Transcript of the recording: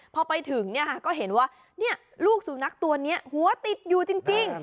พอไปถึงก็เห็นว่าลูกสุนัขตัวนี้หัวติดอยู่จริง